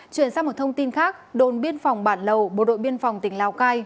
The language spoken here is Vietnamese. chuyển sang một thông tin khác đồn biên phòng bản lầu bộ đội biên phòng tỉnh lào cai